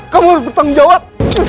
kamu harus bertanggung jawab